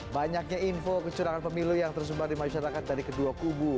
banyaknya info kecurangan pemilu yang tersebar di masyarakat dari kedua kubu